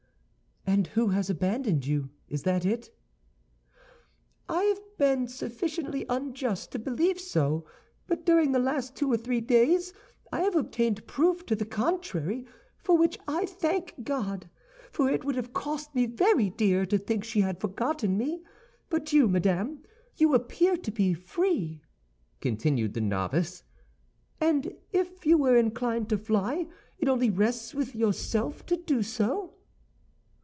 "And who has abandoned you—is that it?" "I have been sufficiently unjust to believe so; but during the last two or three days I have obtained proof to the contrary, for which I thank God—for it would have cost me very dear to think she had forgotten me. But you, madame, you appear to be free," continued the novice; "and if you were inclined to fly it only rests with yourself to do so."